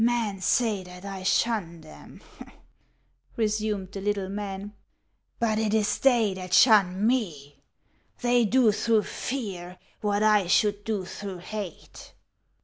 " Men say that I shun them," resumed the little man ;" but it is they that shun me ; they do through fear what I should do through hate.